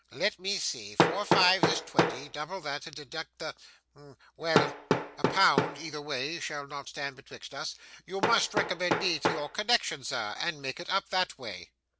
'Let me see; four fives is twenty, double that, and deduct the well, a pound either way shall not stand betwixt us. You must recommend me to your connection, sir, and make it up that way.